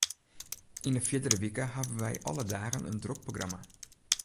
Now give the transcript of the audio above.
Yn 'e fierdere wike hawwe wy alle dagen in drok programma.